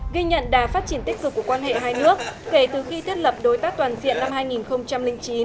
ghi nhận đà phát triển tích cực của quan hệ hai nước kể từ khi thiết lập đối tác toàn diện năm hai nghìn chín